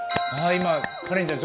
今カレンちゃん